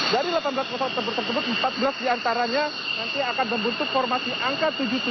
dari delapan belas pesawat tempur tersebut empat belas diantaranya nanti akan membentuk formasi angka tujuh puluh tujuh